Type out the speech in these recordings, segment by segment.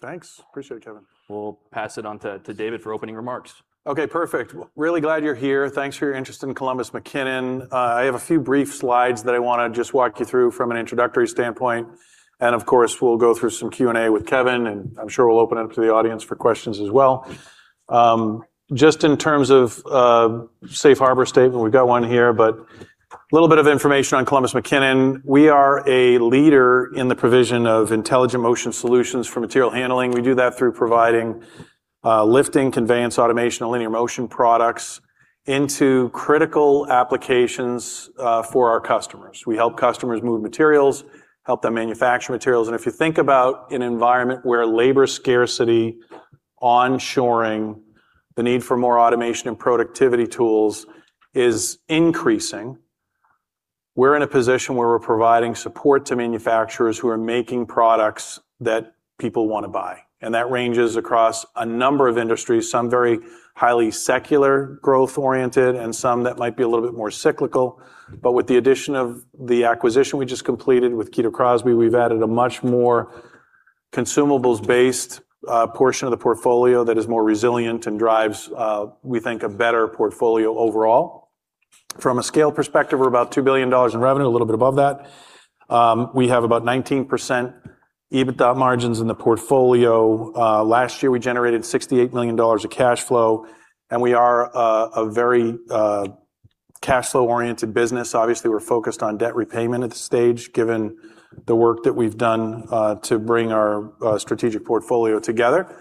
Thanks. Appreciate it, Kevin. We'll pass it on to David for opening remarks. Okay, perfect. Really glad you're here. Thanks for your interest in Columbus McKinnon. I have a few brief slides that I want to just walk you through from an introductory standpoint, and of course, we'll go through some Q&A with Kevin, and I'm sure we'll open it up to the audience for questions as well. Just in terms of safe harbor statement, we've got one here, but a little bit of information on Columbus McKinnon. We are a leader in the provision of intelligent motion solutions for material handling. We do that through providing lifting, conveyance, automation and linear motion products into critical applications for our customers. We help customers move materials, help them manufacture materials, and if you think about an environment where labor scarcity, on-shoring, the need for more automation and productivity tools is increasing, we're in a position where we're providing support to manufacturers who are making products that people want to buy. That ranges across a number of industries. Some very highly secular, growth-oriented, and some that might be a little bit more cyclical. With the addition of the acquisition we just completed with Kito Crosby, we've added a much more consumables-based portion of the portfolio that is more resilient and drives, we think, a better portfolio overall. From a scale perspective, we're about $2 billion in revenue, a little bit above that. We have about 19% EBITDA margins in the portfolio. Last year, we generated $68 million of cash flow, and we are a very cash flow-oriented business. Obviously, we're focused on debt repayment at this stage, given the work that we've done to bring our strategic portfolio together.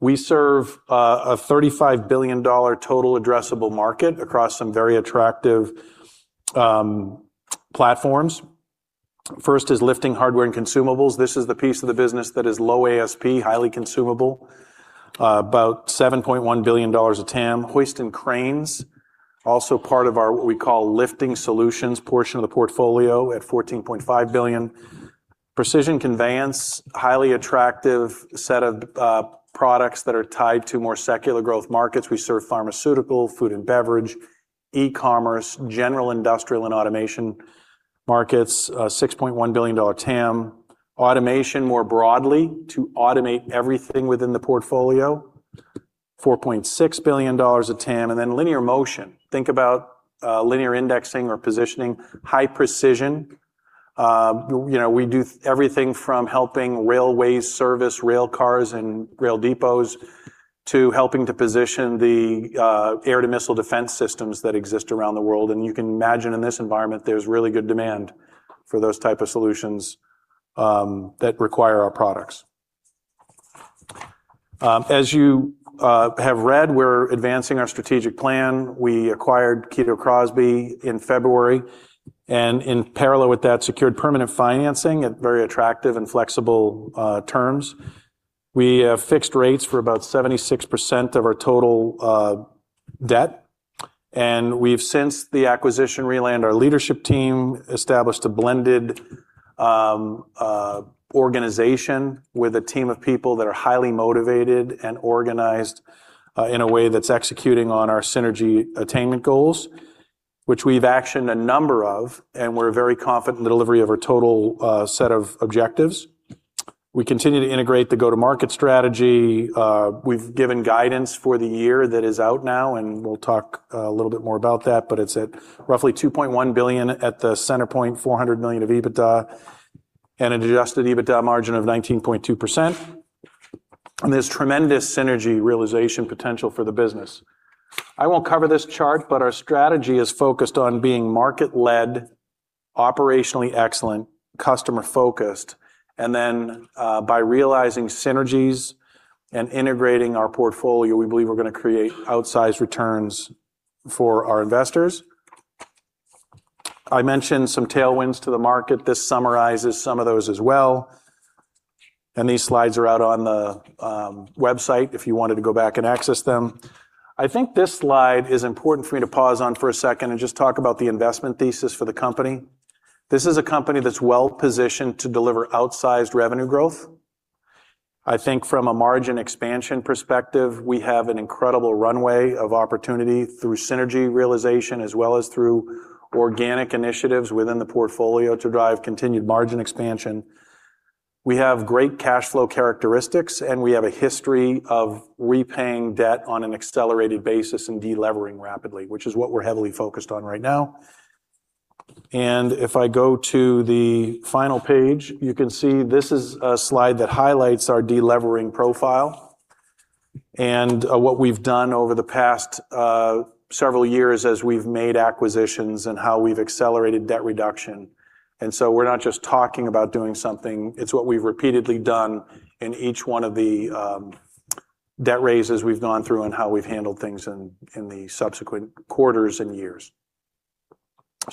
We serve a $35 billion total addressable market across some very attractive platforms. First is lifting hardware and consumables. This is the piece of the business that is low ASP, highly consumable, about $7.1 billion of TAM. Hoist and cranes, also part of our what we call lifting solutions portion of the portfolio at $14.5 billion. Precision conveyance, highly attractive set of products that are tied to more secular growth markets. We serve pharmaceutical, food and beverage, e-commerce, general industrial and automation markets. A $6.1 billion TAM. Automation, more broadly, to automate everything within the portfolio. $4.6 billion of TAM. Linear motion. Think about linear indexing or positioning, high precision. We do everything from helping railways service rail cars and rail depots to helping to position the anti-missile defense systems that exist around the world. You can imagine in this environment, there's really good demand for those type of solutions that require our products. As you have read, we're advancing our strategic plan. We acquired Kito Crosby in February, and in parallel with that, secured permanent financing at very attractive and flexible terms. We have fixed rates for about 76% of our total debt, and we've, since the acquisition, realigned our leadership team, established a blended organization with a team of people that are highly motivated and organized in a way that's executing on our synergy attainment goals, which we've actioned a number of, and we're very confident in the delivery of our total set of objectives. We continue to integrate the go-to-market strategy. We've given guidance for the year that is out now, and we'll talk a little bit more about that, but it's at roughly $2.1 billion, at the center point, $400 million of EBITDA and an adjusted EBITDA margin of 19.2%. There's tremendous synergy realization potential for the business. I won't cover this chart, but our strategy is focused on being market-led, operationally excellent, customer-focused, by realizing synergies and integrating our portfolio, we believe we're going to create outsized returns for our investors. I mentioned some tailwinds to the market. This summarizes some of those as well. These slides are out on the website if you wanted to go back and access them. I think this slide is important for me to pause on for a second and just talk about the investment thesis for the company. This is a company that's well-positioned to deliver outsized revenue growth. I think from a margin expansion perspective, we have an incredible runway of opportunity through synergy realization, as well as through organic initiatives within the portfolio to drive continued margin expansion. We have great cash flow characteristics, and we have a history of repaying debt on an accelerated basis and de-levering rapidly, which is what we're heavily focused on right now. If I go to the final page, you can see this is a slide that highlights our de-levering profile and what we've done over the past several years as we've made acquisitions, and how we've accelerated debt reduction. We're not just talking about doing something. It's what we've repeatedly done in each one of the debt raises we've gone through and how we've handled things in the subsequent quarters and years.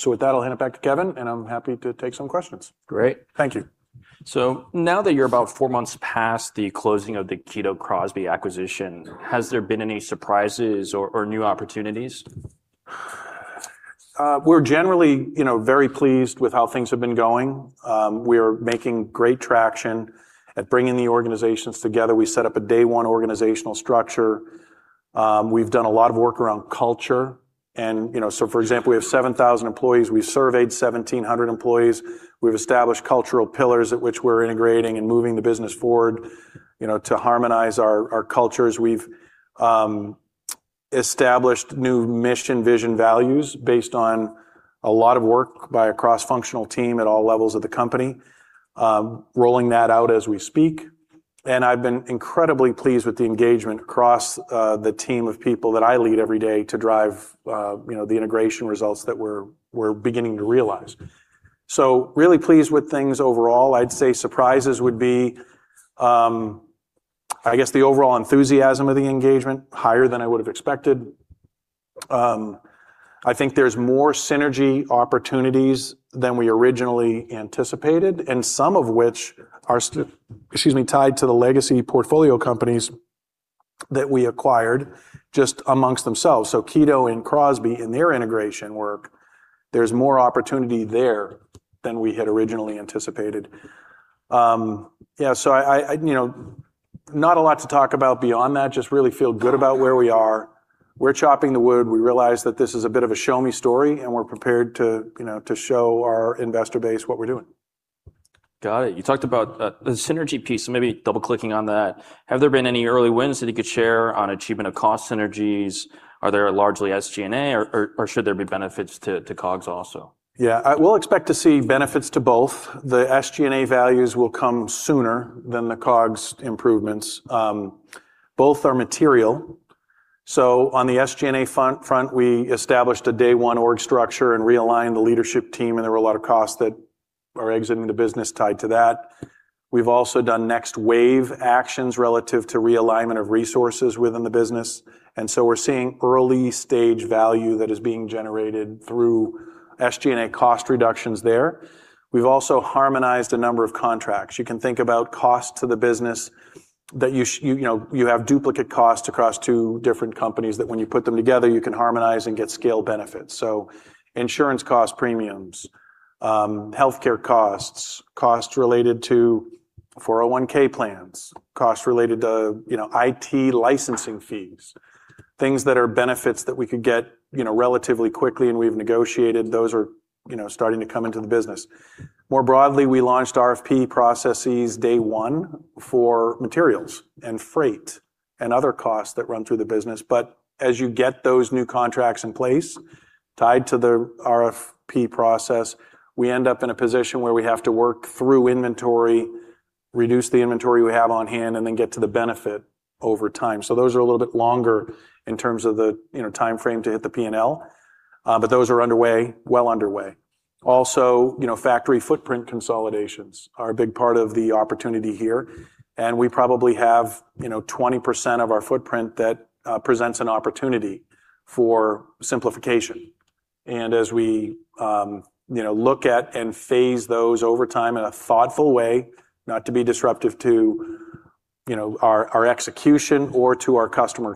With that, I'll hand it back to Kevin, and I'm happy to take some questions. Great. Thank you. Now that you're about four months past the closing of the Kito Crosby acquisition, has there been any surprises or new opportunities? We're generally very pleased with how things have been going. We're making great traction at bringing the organizations together. We set up a day one organizational structure. We've done a lot of work around culture. For example, we have 7,000 employees. We surveyed 1,700 employees. We've established cultural pillars at which we're integrating and moving the business forward to harmonize our cultures. We've established new mission vision values based on a lot of work by a cross-functional team at all levels of the company, rolling that out as we speak. I've been incredibly pleased with the engagement across the team of people that I lead every day to drive the integration results that we're beginning to realize. Really pleased with things overall. I'd say surprises would be, I guess, the overall enthusiasm of the engagement, higher than I would've expected. I think there's more synergy opportunities than we originally anticipated, and some of which are tied to the legacy portfolio companies that we acquired just amongst themselves. Kito and Crosby in their integration work, there's more opportunity there than we had originally anticipated. Not a lot to talk about beyond that, just really feel good about where we are. We're chopping the wood. We realize that this is a bit of a show me story, and we're prepared to show our investor base what we're doing. Got it. You talked about the synergy piece, maybe double-clicking on that, have there been any early wins that you could share on achievement of cost synergies? Are there largely SG&A, or should there be benefits to COGS also? Yeah. We'll expect to see benefits to both. The SG&A values will come sooner than the COGS improvements. Both are material. On the SG&A front, we established a day one org structure and realigned the leadership team, and there were a lot of costs that are exiting the business tied to that. We've also done next wave actions relative to realignment of resources within the business, we're seeing early stage value that is being generated through SG&A cost reductions there. We've also harmonized a number of contracts. You can think about cost to the business that you have duplicate costs across two different companies that when you put them together, you can harmonize and get scale benefits. Insurance cost premiums, healthcare costs related to 401(k) plans, costs related to IT licensing fees, things that are benefits that we could get relatively quickly and we've negotiated, those are starting to come into the business. More broadly, we launched RFP processes day one for materials and freight and other costs that run through the business. As you get those new contracts in place tied to the RFP process, we end up in a position where we have to work through inventory, reduce the inventory we have on hand, and then get to the benefit over time. Those are a little bit longer in terms of the timeframe to hit the P&L. Those are well underway. Also, factory footprint consolidations are a big part of the opportunity here, and we probably have 20% of our footprint that presents an opportunity for simplification. As we look at and phase those over time in a thoughtful way, not to be disruptive to our execution or to our customer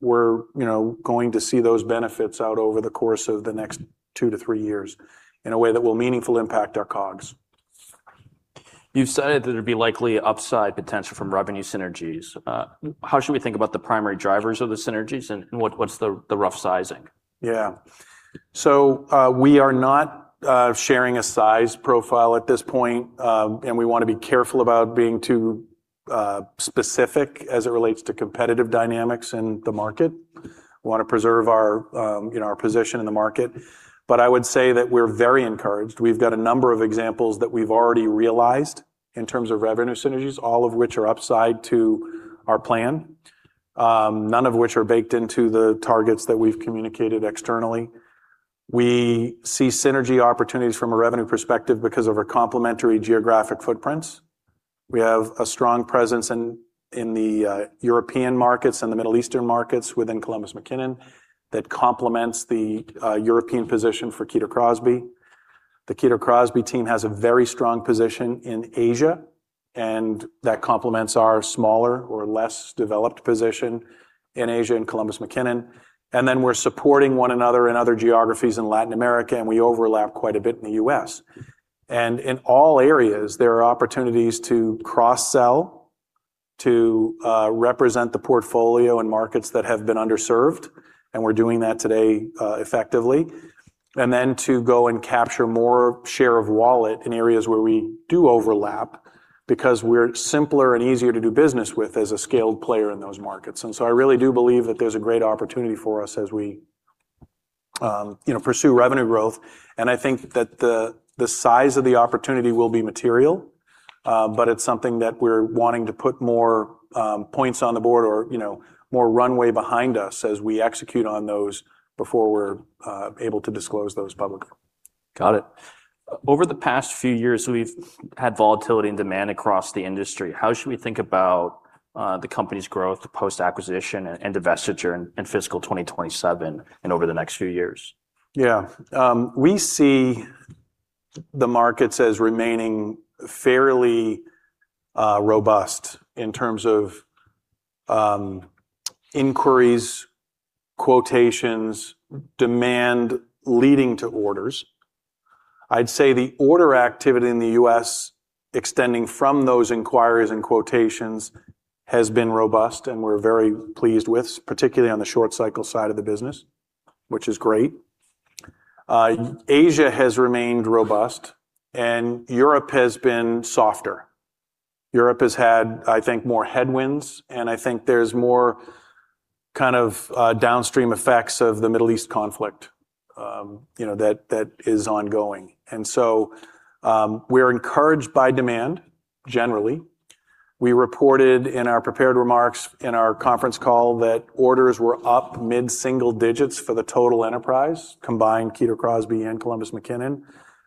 experience, we're going to see those benefits out over the course of the next two to three years in a way that will meaningfully impact our COGS. You've said that there'd be likely upside potential from revenue synergies. How should we think about the primary drivers of the synergies, and what's the rough sizing? We are not sharing a size profile at this point. We want to be careful about being too specific as it relates to competitive dynamics in the market. We want to preserve our position in the market. I would say that we're very encouraged. We've got a number of examples that we've already realized in terms of revenue synergies, all of which are upside to our plan, none of which are baked into the targets that we've communicated externally. We see synergy opportunities from a revenue perspective because of our complementary geographic footprints. We have a strong presence in the European markets and the Middle Eastern markets within Columbus McKinnon that complements the European position for Kito Crosby. The Kito Crosby team has a very strong position in Asia, that complements our smaller or less developed position in Asia and Columbus McKinnon. We're supporting one another in other geographies in Latin America, we overlap quite a bit in the U.S. In all areas, there are opportunities to cross-sell, to represent the portfolio and markets that have been underserved, we're doing that today effectively. To go and capture more share of wallet in areas where we do overlap because we're simpler and easier to do business with as a scaled player in those markets. I really do believe that there's a great opportunity for us as we pursue revenue growth, I think that the size of the opportunity will be material, but it's something that we're wanting to put more points on the board or more runway behind us as we execute on those before we're able to disclose those publicly. Got it. Over the past few years, we've had volatility in demand across the industry. How should we think about the company's growth post-acquisition and divestiture in fiscal 2027 and over the next few years? Yeah. We see the markets as remaining fairly robust in terms of inquiries, quotations, demand leading to orders. I'd say the order activity in the U.S. extending from those inquiries and quotations has been robust, and we're very pleased with, particularly on the short cycle side of the business, which is great. Asia has remained robust. Europe has been softer. Europe has had, I think, more headwinds, and I think there's more downstream effects of the Middle East conflict that is ongoing. We're encouraged by demand generally. We reported in our prepared remarks in our conference call that orders were up mid-single digits for the total enterprise, combined Kito Crosby and Columbus McKinnon,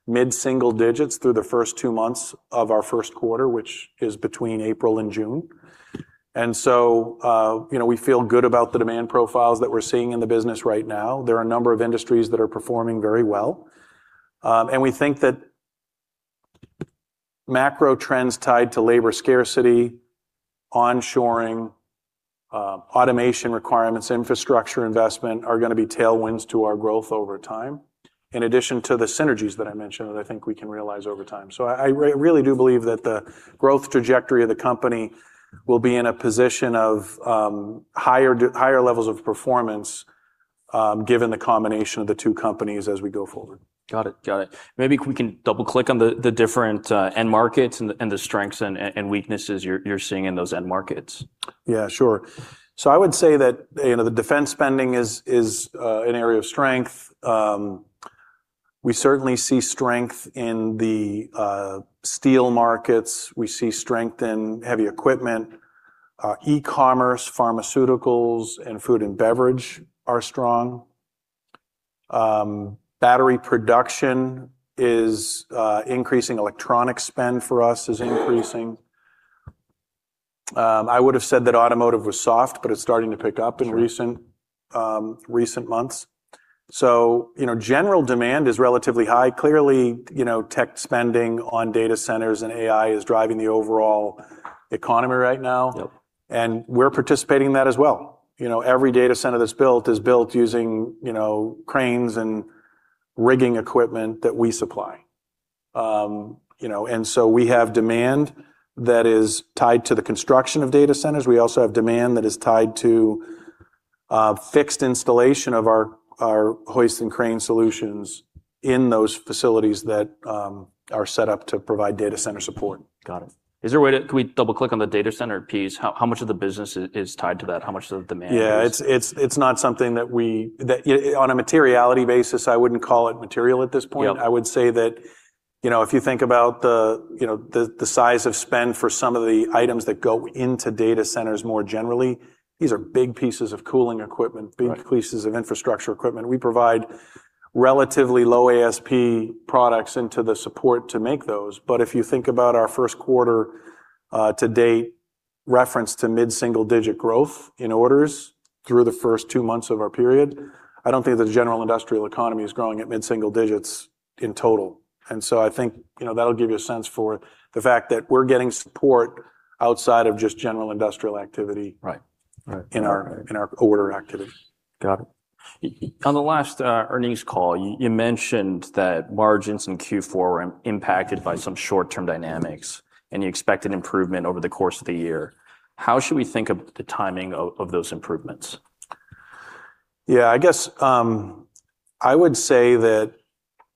mid-single digits through the first two months of our first quarter, which is between April and June. We feel good about the demand profiles that we're seeing in the business right now. There are a number of industries that are performing very well. We think that macro trends tied to labor scarcity, onshoring, automation requirements, infrastructure investment, are going to be tailwinds to our growth over time, in addition to the synergies that I mentioned that I think we can realize over time. I really do believe that the growth trajectory of the company will be in a position of higher levels of performance, given the combination of the two companies as we go forward. Got it. Maybe we can double-click on the different end markets and the strengths and weaknesses you're seeing in those end markets. Yeah, sure. I would say that the defense spending is an area of strength. We certainly see strength in the steel markets. We see strength in heavy equipment. E-commerce, pharmaceuticals, and food and beverage are strong. Battery production is increasing. Electronic spend for us is increasing. I would've said that automotive was soft, but it's starting to pick up- Sure. in recent months. General demand is relatively high. Clearly, tech spending on data centers and AI is driving the overall economy right now. Yep. We're participating in that as well. Every data center that's built is built using cranes and rigging equipment that we supply. We have demand that is tied to the construction of data centers. We also have demand that is tied to fixed installation of our hoist and crane solutions in those facilities that are set up to provide data center support. Got it. Can we double-click on the data center piece? How much of the business is tied to that? How much of the demand is- Yeah, it's not something that we. On a materiality basis, I wouldn't call it material at this point. Yep. I would say that if you think about the size of spend for some of the items that go into data centers more generally, these are big pieces of cooling equipment. Right. Big pieces of infrastructure equipment. We provide relatively low ASP products into the support to make those. If you think about our first quarter to date, reference to mid-single digit growth in orders through the first two months of our period, I don't think the general industrial economy is growing at mid-single digits in total. I think, that'll give you a sense for the fact that we're getting support outside of just general industrial activity. Right. In our order activity. Got it. On the last earnings call, you mentioned that margins in Q4 were impacted by some short-term dynamics, and you expect an improvement over the course of the year. How should we think of the timing of those improvements? Yeah, I guess, I would say that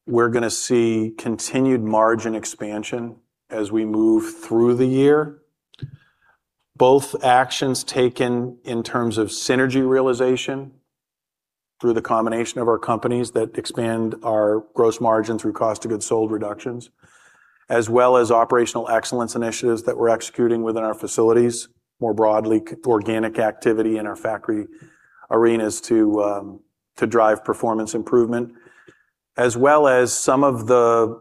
we're going to see continued margin expansion as we move through the year. Both actions taken in terms of synergy realization through the combination of our companies that expand our gross margin through cost of goods sold reductions, as well as operational excellence initiatives that we're executing within our facilities, more broadly, organic activity in our factory arenas to drive performance improvement. As well as some of the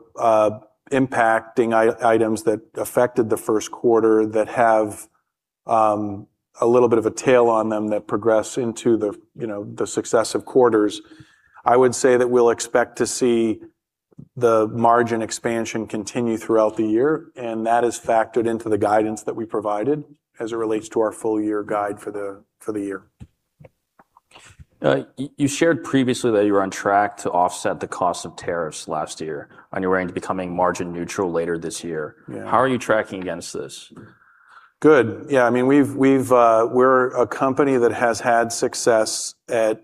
impacting items that affected the first quarter that have a little bit of a tail on them that progress into the successive quarters. I would say that we'll expect to see the margin expansion continue throughout the year, and that is factored into the guidance that we provided as it relates to our full year guide for the year. You shared previously that you were on track to offset the cost of tariffs last year, you were aiming to becoming margin neutral later this year. Yeah. How are you tracking against this? Good. We're a company that has had success at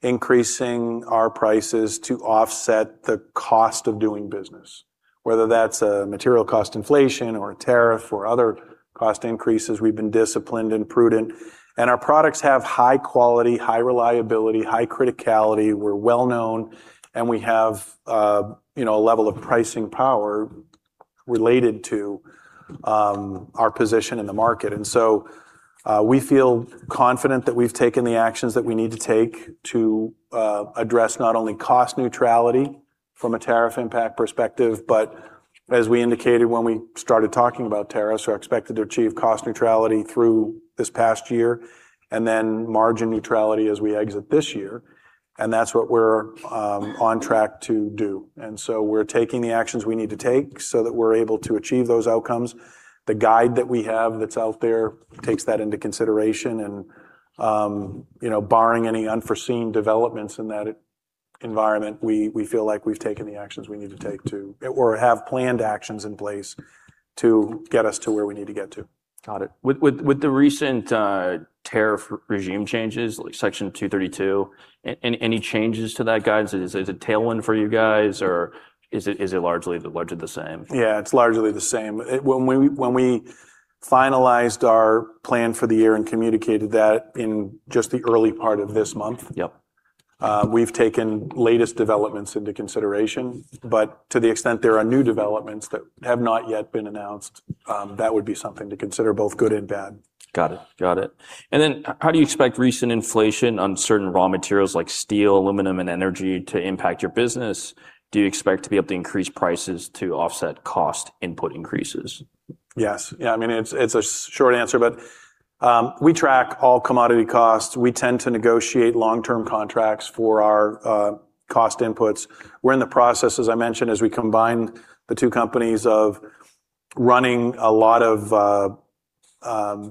increasing our prices to offset the cost of doing business, whether that's material cost inflation, or a tariff, or other cost increases. We've been disciplined and prudent, and our products have high quality, high reliability, high criticality. We're well-known, and we have a level of pricing power related to our position in the market. We feel confident that we've taken the actions that we need to take to address not only cost neutrality from a tariff impact perspective, but as we indicated when we started talking about tariffs, are expected to achieve cost neutrality through this past year, and then margin neutrality as we exit this year, and that's what we're on track to do. We're taking the actions we need to take so that we're able to achieve those outcomes. The guide that we have that's out there takes that into consideration. Barring any unforeseen developments in that environment, we feel like we've taken the actions we need to take or have planned actions in place to get us to where we need to get to. Got it. With the recent tariff regime changes, Section 232, any changes to that guidance? Is it tailwind for you guys or is it largely the same? It's largely the same. When we finalized our plan for the year and communicated that in just the early part of this month. Yep. We've taken latest developments into consideration. To the extent there are new developments that have not yet been announced, that would be something to consider both good and bad. Got it. How do you expect recent inflation on certain raw materials like steel, aluminum, and energy to impact your business? Do you expect to be able to increase prices to offset cost input increases? Yes. It's a short answer, but we track all commodity costs. We tend to negotiate long-term contracts for our cost inputs. We're in the process, as I mentioned, as we combine the two companies of running a lot of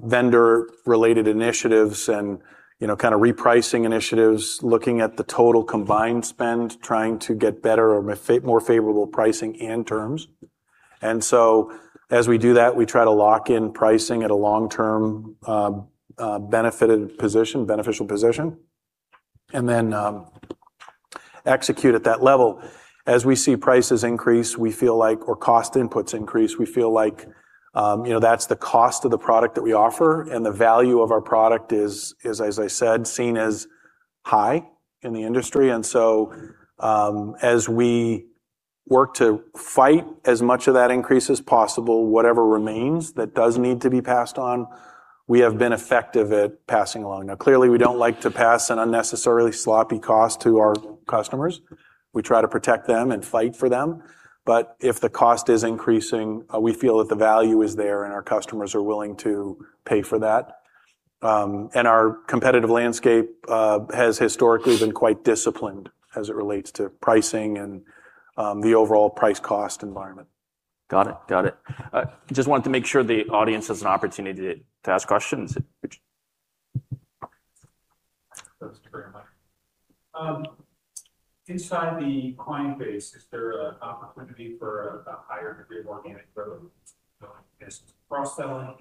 vendor-related initiatives and kind of repricing initiatives, looking at the total combined spend, trying to get better or more favorable pricing and terms. As we do that, we try to lock in pricing at a long-term beneficial position, and then execute at that level. As we see prices increase, or cost inputs increase, we feel like that's the cost of the product that we offer and the value of our product is, as I said, seen as high in the industry. As we work to fight as much of that increase as possible, whatever remains that does need to be passed on, we have been effective at passing along. Now, clearly, we don't like to pass an unnecessarily sloppy cost to our customers. We try to protect them and fight for them. If the cost is increasing, we feel that the value is there and our customers are willing to pay for that. Our competitive landscape has historically been quite disciplined as it relates to pricing and the overall price cost environment. Got it. Just wanted to make sure the audience has an opportunity to ask questions. Rich? Thanks very much. Inside the client base, is there an opportunity for a higher degree of organic growth? I guess cross-selling,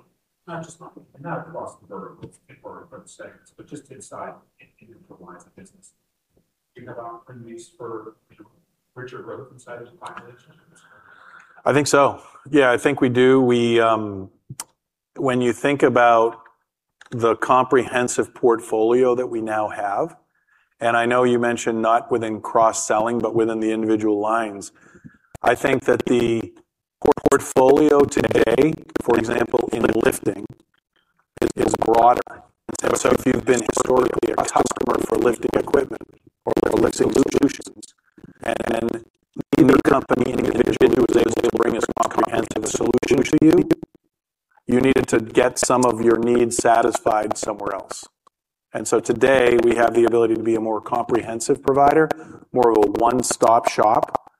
not across the vertical, for the segments, but just inside individual lines of business. Do you have opportunities for richer growth inside of the client relations? I think so. Yeah, I think we do. When you think about the comprehensive portfolio that we now have, and I know you mentioned not within cross-selling, but within the individual lines, I think that the portfolio today, for example, in lifting, is broader. If you've been historically a customer for lifting equipment or lifting solutions, and the company individually was able to bring a comprehensive solution to you needed to get some of your needs satisfied somewhere else. Today, we have the ability to be a more comprehensive provider, more of a one-stop shop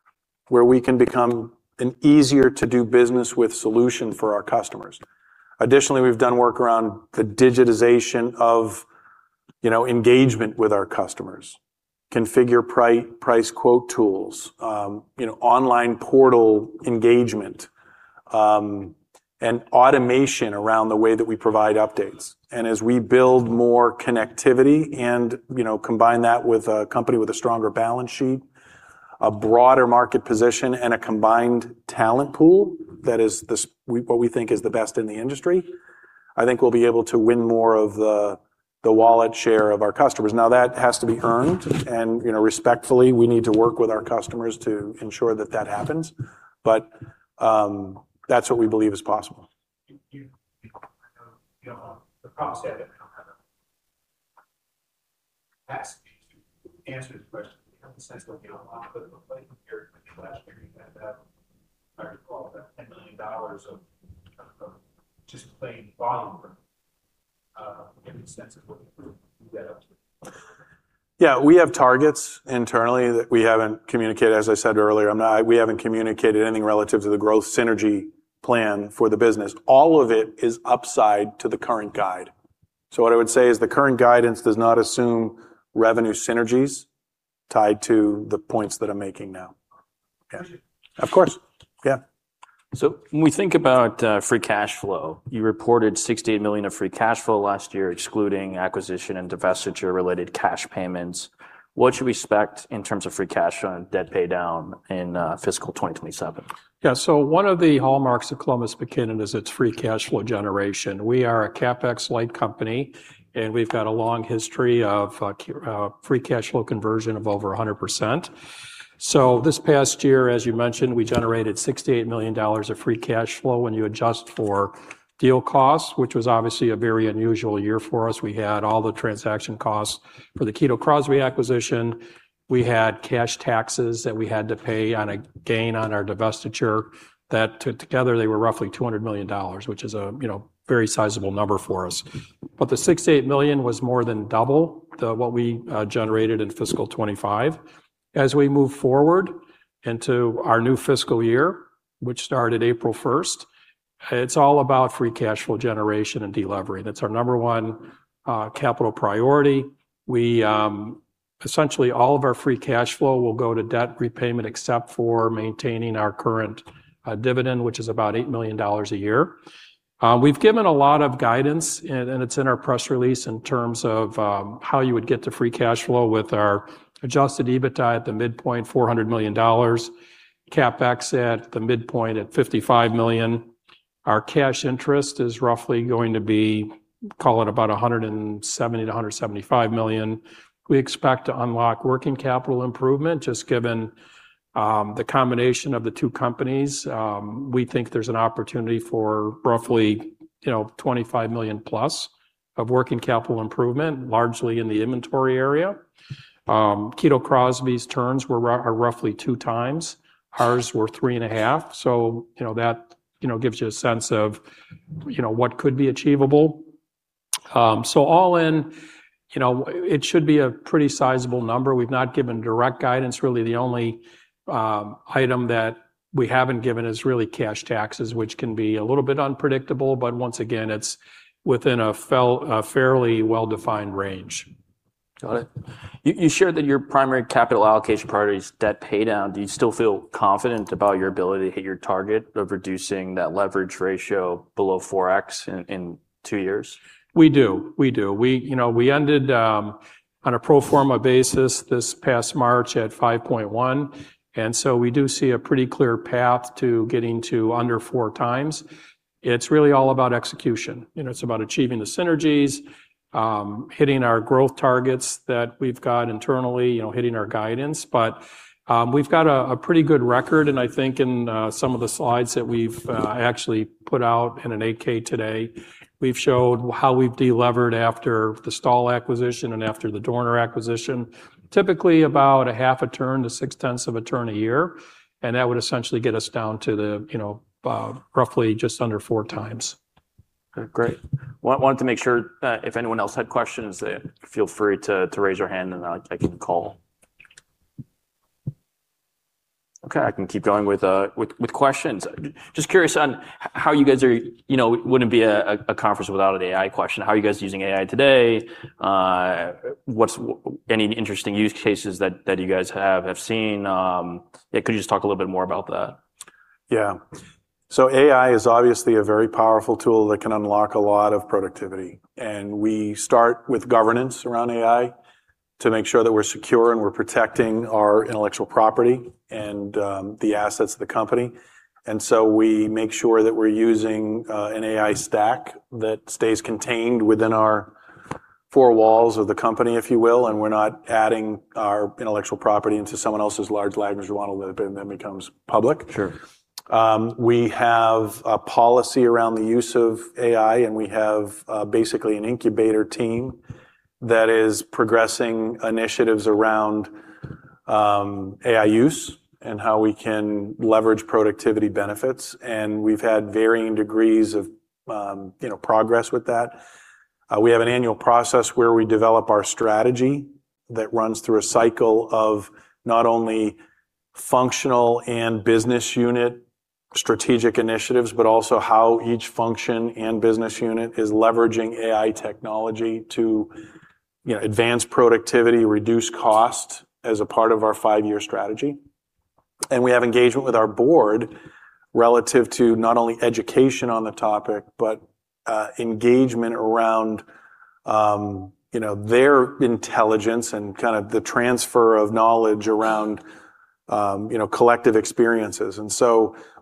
where we can become an easier-to-do-business-with solution for our customers. Additionally, we've done work around the digitization of engagement with our customers. Configure Price Quote tools, online portal engagement, and automation around the way that we provide updates. As we build more connectivity and combine that with a company with a stronger balance sheet, a broader market position, and a combined talent pool, that is what we think is the best in the industry, I think we'll be able to win more of the wallet share of our customers. Now, that has to be earned and respectfully, we need to work with our customers to ensure that that happens. That's what we believe is possible. The problem is I don't have an to ask you to answer the question. I have a sense of the outline, but it looked like from here, like last year you had hard to call it that $10 million of just plain volume in the sense of what you get up to. Yeah. We have targets internally that we haven't communicated, as I said earlier. We haven't communicated anything relative to the growth synergy plan for the business. All of it is upside to the current guide. What I would say is the current guidance does not assume revenue synergies tied to the points that I'm making now. Yeah. Appreciate it. Of course. Yeah. When we think about free cash flow, you reported $68 million of free cash flow last year, excluding acquisition and divestiture-related cash payments. What should we expect in terms of free cash flow and debt paydown in fiscal 2027? One of the hallmarks of Columbus McKinnon is its free cash flow generation. We are a CapEx-light company, and we've had a long history of free cash flow conversion of over 100%. This past year, as you mentioned, we generated $68 million of free cash flow. When you adjust for deal costs, which was obviously a very unusual year for us, we had all the transaction costs for the Kito Crosby acquisition. We had cash taxes that we had to pay on a gain on our divestiture, that together they were roughly $200 million, which is a very sizable number for us. The $68 million was more than double what we generated in fiscal 2025. As we move forward into our new fiscal year, which started April 1st, it's all about free cash flow generation and de-levering. That's our number one capital priority. Essentially, all of our free cash flow will go to debt repayment except for maintaining our current dividend, which is about $8 million a year. We've given a lot of guidance, and it's in our press release, in terms of how you would get to free cash flow with our adjusted EBITDA at the midpoint, $400 million. CapEx at the midpoint at $55 million. Our cash interest is roughly going to be, call it about $170 million-$175 million. We expect to unlock working capital improvement, just given the combination of the two companies. We think there's an opportunity for roughly $25 million+ of working capital improvement, largely in the inventory area. Kito Crosby's turns are roughly 2x. Ours were 3.5x. So, that gives you a sense of what could be achievable. All in, it should be a pretty sizable number. We've not given direct guidance. Really, the only item that we haven't given is really cash taxes, which can be a little bit unpredictable, but once again, it's within a fairly well-defined range. Got it. You shared that your primary capital allocation priority is debt paydown. Do you still feel confident about your ability to hit your target of reducing that leverage ratio below 4x in two years? We do. We ended on a pro forma basis this past March at 5.1x, we do see a pretty clear path to getting to under four times. It's really all about execution. It's about achieving the synergies, hitting our growth targets that we've got internally, hitting our guidance. We've got a pretty good record, and I think in some of the slides that we've actually put out in an 8-K today, we've showed how we've de-levered after the STAHL acquisition and after the Dorner acquisition. Typically, about a half a turn to six-tenths of a turn a year, that would essentially get us down to the roughly just under four times. Okay, great. Wanted to make sure if anyone else had questions, feel free to raise your hand and I can call. Okay, I can keep going with questions. Just curious on it wouldn't be a conference without an AI question. How are you guys using AI today? Any interesting use cases that you guys have seen? Could you just talk a little bit more about that? Yeah. AI is obviously a very powerful tool that can unlock a lot of productivity, we start with governance around AI to make sure that we're secure and we're protecting our intellectual property and the assets of the company. We make sure that we're using an AI stack that stays contained within our four walls of the company, if you will, and we're not adding our intellectual property into someone else's large language model that then becomes public. Sure. We have a policy around the use of AI, we have basically an incubator team that is progressing initiatives around AI use and how we can leverage productivity benefits. We've had varying degrees of progress with that. We have an annual process where we develop our strategy that runs through a cycle of not only functional and business unit strategic initiatives, but also how each function and business unit is leveraging AI technology to advance productivity, reduce cost as a part of our five-year strategy. We have engagement with our board relative to not only education on the topic, but engagement around their intelligence and kind of the transfer of knowledge around collective experiences.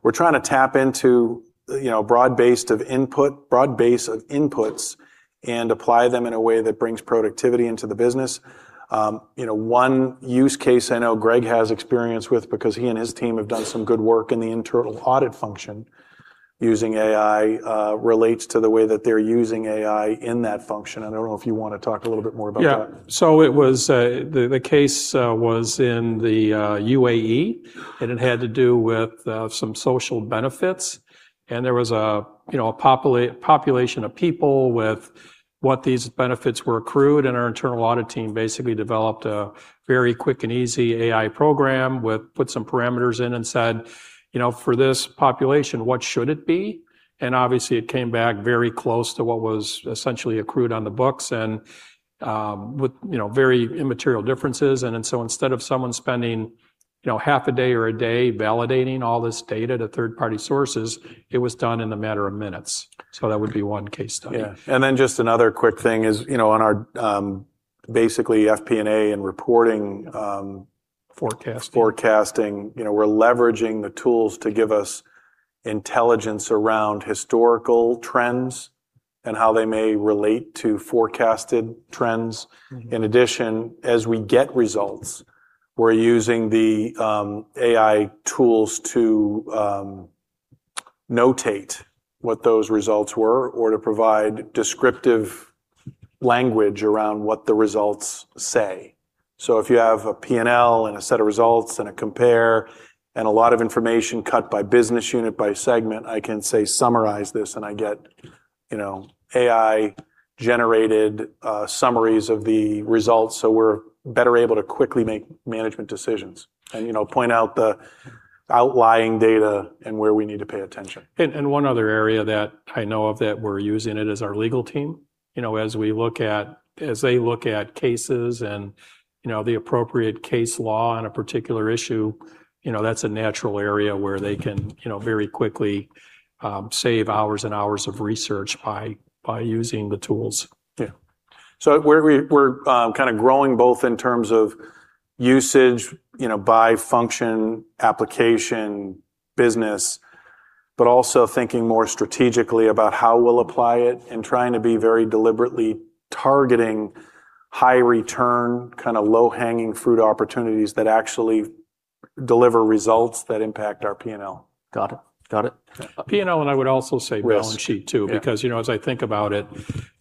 We're trying to tap into a broad base of inputs and apply them in a way that brings productivity into the business. One use case I know Greg has experience with, because he and his team have done some good work in the internal audit function using AI, relates to the way that they're using AI in that function. I don't know if you want to talk a little bit more about that. Yeah. The case was in the U.A.E., and it had to do with some social benefits. There was a population of people with what these benefits were accrued, our internal audit team basically developed a very quick and easy AI program, put some parameters in, and said, "For this population, what should it be?" Obviously, it came back very close to what was essentially accrued on the books and with very immaterial differences. Instead of someone spending half a day or a day validating all this data to third-party sources, it was done in a matter of minutes. That would be one case study. Yeah. Just another quick thing is on our basically FP&A and reporting- Forecasting. forecasting, we're leveraging the tools to give us intelligence around historical trends and how they may relate to forecasted trends. In addition, as we get results, we're using the AI tools to notate what those results were or to provide descriptive language around what the results say. If you have a P&L and a set of results and a compare and a lot of information cut by business unit, by segment, I can say, "Summarize this," and I get AI-generated summaries of the results, so we're better able to quickly make management decisions and point out the outlying data and where we need to pay attention. One other area that I know of that we're using it is our legal team. As they look at cases and the appropriate case law on a particular issue, that's a natural area where they can very quickly save hours and hours of research by using the tools. Yeah. We're kind of growing both in terms of usage by function, application, business, but also thinking more strategically about how we'll apply it and trying to be very deliberately targeting high return, kind of low-hanging fruit opportunities that actually deliver results that impact our P&L. Got it. P&L, I would also say. Risk. Balance sheet too. Yeah. As I think about it,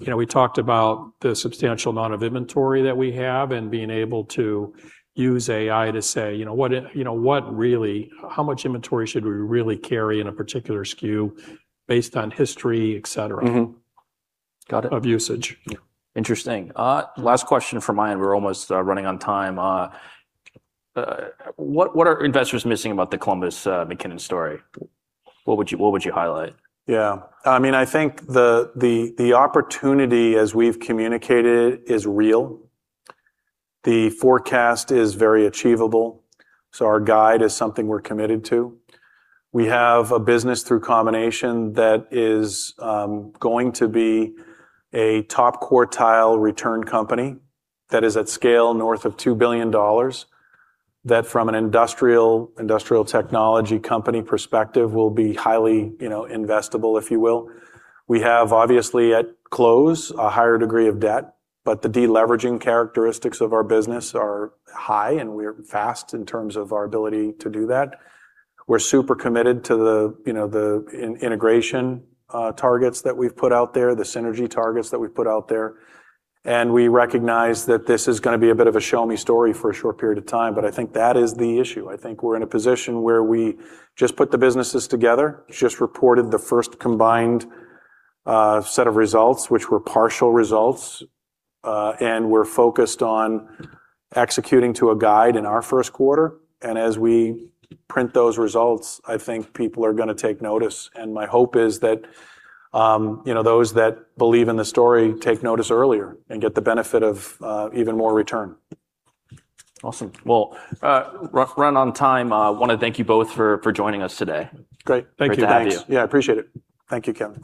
we talked about the substantial amount of inventory that we have and being able to use AI to say, how much inventory should we really carry in a particular SKU based on history, et cetera. Got it. Of usage. Yeah. Interesting. Last question from Ian, we're almost running on time. What are investors missing about the Columbus McKinnon story? What would you highlight? Yeah. I think the opportunity as we've communicated is real. The forecast is very achievable, our guide is something we're committed to. We have a business through combination that is going to be a top quartile return company that is at scale north of $2 billion. That from an industrial technology company perspective will be highly investable, if you will. We have obviously at close, a higher degree of debt, the de-leveraging characteristics of our business are high, we're fast in terms of our ability to do that. We're super committed to the integration targets that we've put out there, the synergy targets that we've put out there, we recognize that this is going to be a bit of a show-me story for a short period of time, I think that is the issue. I think we're in a position where we just put the businesses together, just reported the first combined set of results, which were partial results. We're focused on executing to a guide in our first quarter, as we print those results, I think people are going to take notice. My hope is that those that believe in the story take notice earlier and get the benefit of even more return. Awesome. Well, running on time. I want to thank you both for joining us today. Great. Thank you. Great to have you. Yeah, appreciate it. Thank you, Kevin.